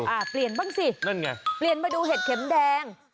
อ่าเปลี่ยนบ้างสินั่นไงเปลี่ยนมาดูเห็ดเข็มแดง